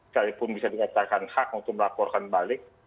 sekalipun bisa dikatakan hak untuk melaporkan balik